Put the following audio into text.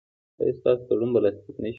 ایا ستاسو تړون به لاسلیک نه شي؟